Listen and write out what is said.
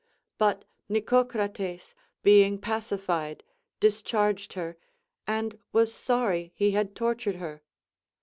But Nicocrates being pacified discharged her, and was sorry he had tortured her.